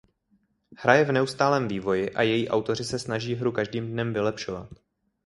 Hra je v neustálém vývoji a její autoři se snaží hru každým dnem vylepšovat.